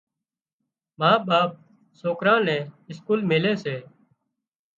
ما ٻاپ سوڪران نين اسڪول ميلي سي۔